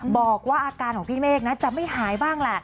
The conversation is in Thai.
บอกว่าอาการของพี่เมฆนะจะไม่หายบ้างแหละ